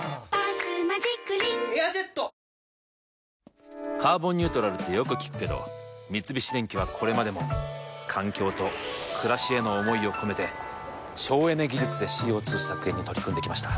「ロリエ」「カーボンニュートラル」ってよく聞くけど三菱電機はこれまでも環境と暮らしへの思いを込めて省エネ技術でＣＯ２削減に取り組んできました。